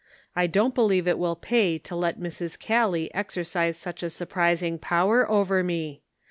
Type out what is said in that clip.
I don't believe it will pay to let Mrs. Callie exer cise such a surprising power over me.